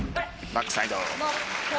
バックサイド。